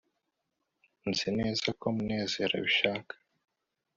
nzi neza ko munezero abishaka